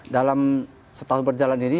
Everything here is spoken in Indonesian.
dalam setahun berjalan ini